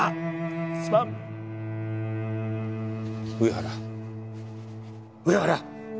上原上原！